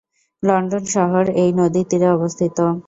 London শহর এই নদীর তীরে অবস্থিত।